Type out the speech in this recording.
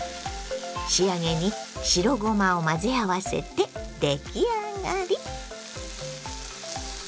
仕上げに白ごまを混ぜ合わせて出来上がり。